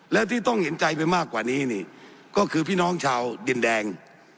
และที่ต้องเห็นใจไปมากกว่านี้นี่ก็คือพี่น้องชาวดินแดง